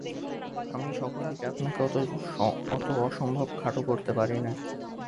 আমি সকল দিকে আপনাকে অত অসম্ভব খাটো করতে পারি নে।